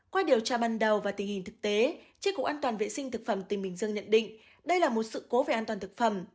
qua điều tra ban đầu và tình hình thực tế tri cục an toàn vệ sinh thực phẩm tỉnh bình dương nhận định đây là một sự cố về an toàn thực phẩm